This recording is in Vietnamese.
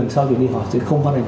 cho đến một trăm linh triệu đồng